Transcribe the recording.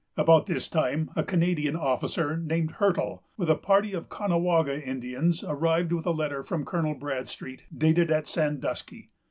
About this time, a Canadian officer, named Hertel, with a party of Caughnawaga Indians, arrived with a letter from Colonel Bradstreet, dated at Sandusky.